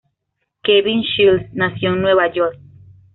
Kevin Shields nació en Nueva York.